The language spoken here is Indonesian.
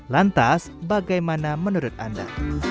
lantas bagaimana menurut anda